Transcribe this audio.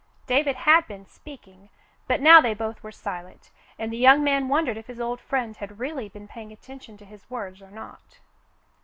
David had been speaking, but now they both were silent, and the young man won dered if his old friend had really been paying attention to his words or not.